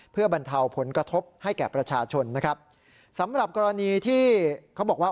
เพื่อบรรเทาผลกระทบให้แก่ประชาชนนะครับสำหรับกรณีที่เขาบอกว่า